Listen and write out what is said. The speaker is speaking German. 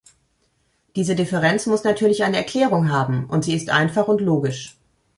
Diese Differenz muss natürlich eine Erklärung haben, und sie ist einfach und logisch.